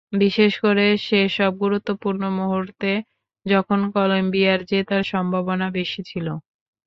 বিশেষ করে সেসব গুরুত্বপূর্ণ মুহূর্তে যখন কলম্বিয়ার জেতার সম্ভাবনা বেশি ছিল।